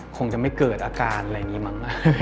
คงจะไม่เกิดอาการอะไรอย่างนี้มั้ง